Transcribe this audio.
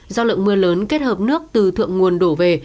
do lượng mưa lớn kết hợp nước từ thượng nguồn đổ về